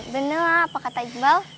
bener lah apa kata iqbal